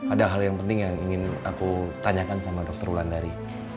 ada hal yang penting yang ingin aku tanyakan sama dokter wulandari